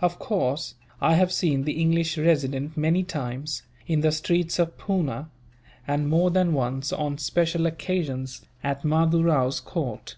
Of course, I have seen the English Resident many times, in the streets of Poona; and more than once, on special occasions, at Mahdoo Rao's court.